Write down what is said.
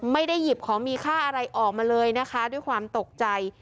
ไม่ได้หยิบของมีค่าอะไรออกมาเลยนะคะด้วยความตกใจ